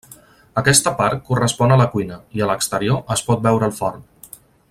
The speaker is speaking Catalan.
Aquesta part correspon a la cuina i, a l’exterior, es pot veure el forn.